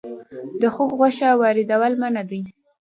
د خوګ غوښه واردول منع دي